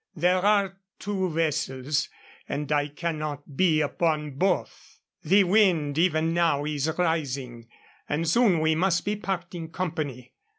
There are two vessels, and I cannot be upon both. The wind even now is rising, and soon we must be parting company.